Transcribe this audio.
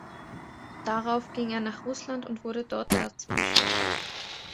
Darauf ging er nach Russland und wurde dort Erzbischof.